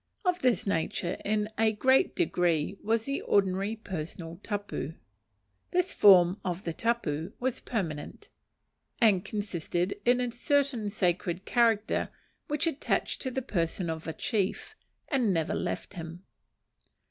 Of this nature in a great degree was the ordinary personal tapu. This form of the tapu was permanent, and consisted in a certain sacred character which attached to the person of a chief, and never left him.